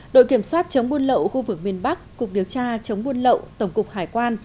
đội kiểm soát chống buôn lậu khu vực miền bắc cục điều tra chống buôn lậu tổng cục hải quan